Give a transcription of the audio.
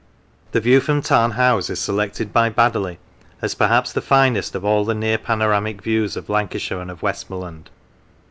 The view from Tarn Hows is selected by Baddeley as " perhaps the finest of all the near panoramic views of Lancashire and of West morland."